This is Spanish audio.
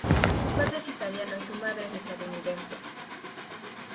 Su padre es italiano y su madre es estadounidense.